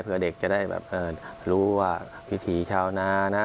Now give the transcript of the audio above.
เพื่อเด็กจะได้แบบรู้ว่าวิถีชาวนานะ